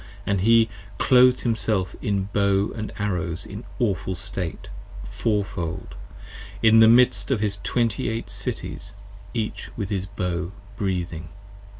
118 And he Clothed himself in Bow & Arrows in awful state, Fourfold, 17 In the midst of his Twenty eight Cities, each with his Bow breathing.